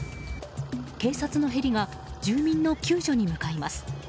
警察のヘリが住民の救助に向かいます。